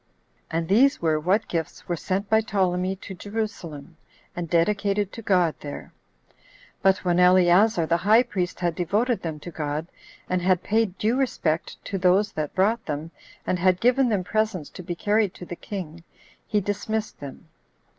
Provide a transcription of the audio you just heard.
11. And these were what gifts were sent by Ptolemy to Jerusalem, and dedicated to God there. But when Eleazar the high priest had devoted them to God, and had paid due respect to those that brought them, and had given them presents to be carried to the king, he dismissed them.